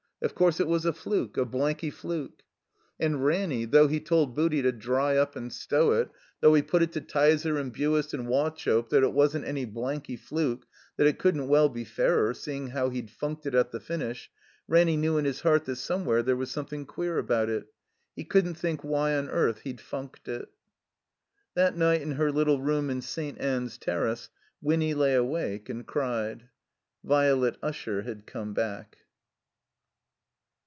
Of course it was a fluke, a blanky fluke. And Ranny, though he told Booty to dry up and stow it; though he put it to Tyser and Buist and Wauchope that it wasn't any blanky fluke, that it couldn't well be fairer, seeing how he'd fiuiked it at the finish, Ranny knew in his heart that somewhere there was something queer about it. He couldn't think why on earth he'd ftmked it. That night, in her little room in St. Ann's Terrace, Winny lay awake and cried. Violet Usher had come back.